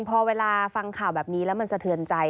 พอเวลาฟังข่าวแบบนี้แล้วมันสะเทือนใจ